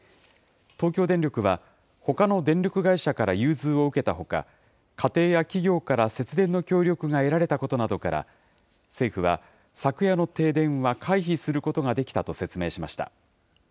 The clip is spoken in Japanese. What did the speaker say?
東京電力は、ほかの電力会社から融通を受けたほか、家庭や企業から節電の協力が得られたことなどから、政府は、昨夜の停電は回避することができたと説明しました。